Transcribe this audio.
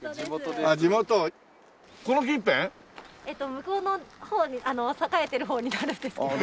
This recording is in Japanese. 向こうの方に栄えてる方になるんですけど。